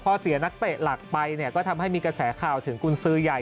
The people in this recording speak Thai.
พอเสียนักเตะหลักไปเนี่ยก็ทำให้มีกระแสข่าวถึงกุญสือใหญ่